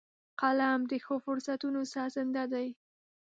قلم د ښو فرصتونو سازنده دی